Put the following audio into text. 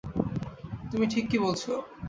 তুমি ঠিক কী বলছ?